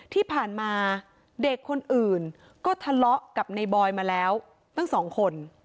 ที่ผ่านมาเด็กคนอื่นก็ทะเลาะกับในบอยมาแล้วตั้งสองคน